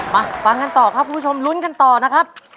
มาฟังกันต่อครับคุณผู้ชมลุ้นกันต่อนะครับ